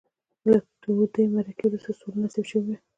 له تودې معرکې وروسته سوله نصیب شوې وي.